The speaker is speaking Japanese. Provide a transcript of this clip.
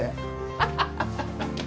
ハハハハハ！